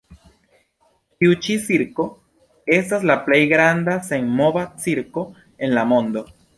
Tiu ĉi cirko estas la plej granda senmova cirko en la mondo.